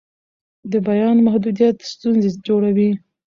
د بیان محدودیت ستونزې جوړوي